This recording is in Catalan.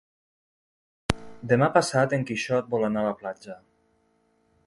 Demà passat en Quixot vol anar a la platja.